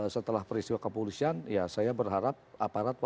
setelah peristiwa kepolisian ya saya berharap aparat pun bisa